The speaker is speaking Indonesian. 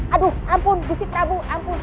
aduh ampun gusti prabu